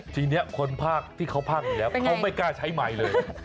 ทีนี้คนภาคที่เขาภาคอยู่แล้วเขาไม่กล้าใช้ใหม่เลย